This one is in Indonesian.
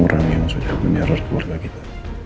orang yang sudah menyerap keluarga kita